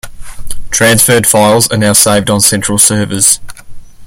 Transferred files are now saved on central servers.